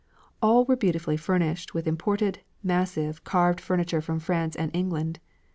All were beautifully furnished with imported, massive, carved furniture from France and England.